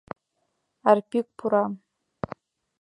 Арпик пура.